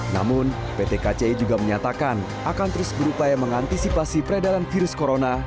namun pt kci juga menyatakan akan terus berupaya mengantisipasi peredaran virus corona